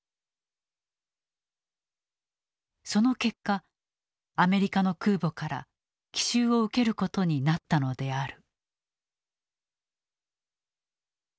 その結果アメリカの空母から奇襲を受けることになったのである。